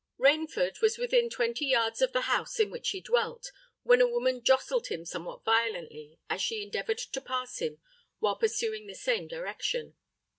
Rainford was within twenty yards of the house in which he dwelt, when a woman jostled him somewhat violently as she endeavoured to pass him while pursuing the same direction.